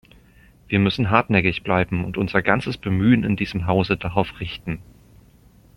Wir müssen hartnäckig bleiben und unser ganzes Bemühen in diesem Hause darauf richten.